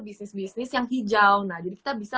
bisnis bisnis yang hijau nah jadi kita bisa